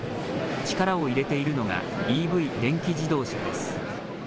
力を入れているのがＥＶ・電気自動車です。